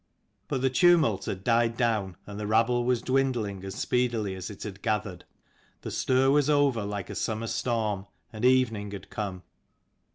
But the tumult had died down, and the rabble was dwindling as speedily as it had gathered. The stir was over like a summer storm, and evening had come.